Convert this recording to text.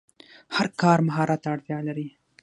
هر کار مهارت ته اړتیا لري.